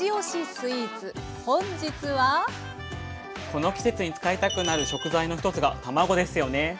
この季節に使いたくなる食材の一つが卵ですよね。